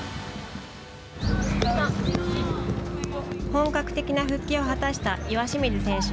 本格的な復帰を果たした岩清水選手。